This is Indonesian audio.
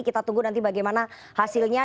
kita tunggu nanti bagaimana hasilnya